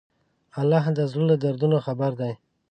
الله د زړه له دردونو خبر دی.